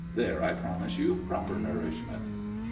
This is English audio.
There I promise you proper nourishment."